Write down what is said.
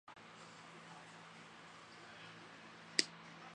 阿尔泰葶苈为十字花科葶苈属下的一个种。